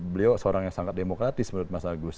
beliau seorang yang sangat demokratis menurut mas agus